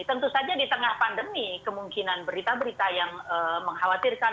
dan tentu saja di tengah pandemi kemungkinan berita berita yang mengkhawatirkan